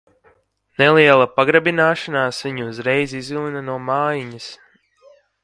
Neliela pagrabināšanās viņu uzreiz izvilina no mājiņas.